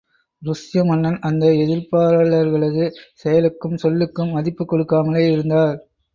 ருஷ்ய மன்னன் அந்த எதிர்ப்பாளர்களது செயலுக்கும் சொல்லுக்கும் மதிப்புக் கொடுக்காமலே இருந்தார்.